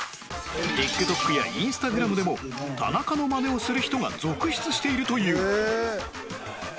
ＴｉｋＴｏｋ や Ｉｎｓｔａｇｒａｍ でもタナカのマネをする人が続出しているという